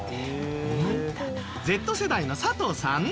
Ｚ世代の佐藤さん。